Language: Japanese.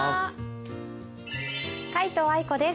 皆藤愛子です。